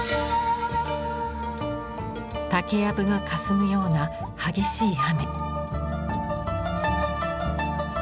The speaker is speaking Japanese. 竹やぶがかすむような激しい雨。